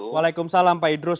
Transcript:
waalaikumsalam pak idrus